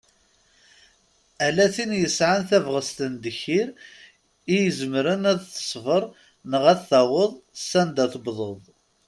Ala tin yesɛan tabɣest n ddkir i izmren ad tesber neɣ ad taweḍ s anda tewwḍeḍ.